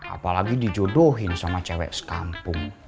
apalagi di jodohin sama cewek sekampung